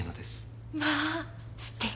まあすてき。